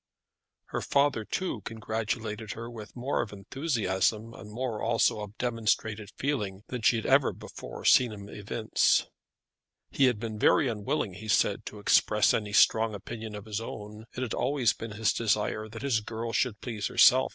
Her father, too, congratulated her with more of enthusiasm, and more also of demonstrated feeling than she had ever before seen him evince. He had been very unwilling, he said, to express any strong opinion of his own. It had always been his desire that his girl should please herself.